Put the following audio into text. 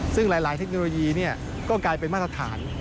ซึ่งหลายเทคโนโลยีก็กลายเป็นมาตรฐาน